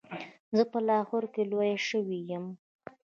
زه په لاهور کې لویه شوې یم.